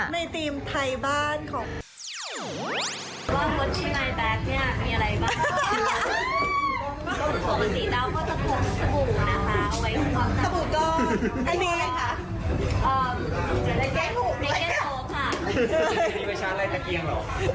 ในธีมไทยบ้านของ